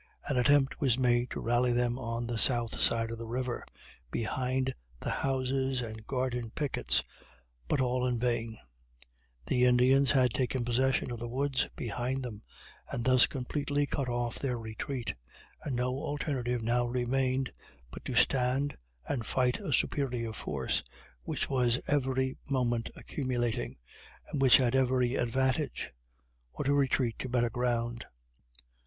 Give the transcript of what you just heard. An attempt was made to rally them on the south side of the river, behind the houses and garden pickets, but all in vain; the Indians had taken possession of the woods behind them, and thus completely cut off their retreat, and no alternative now remained but to stand and fight a superior force, which was every moment accumulating, and which had every advantage, or to retreat to better ground.